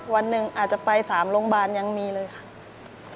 วันหนึ่งอาจจะไป๓โรงพยาบาลยังมีเลยค่ะ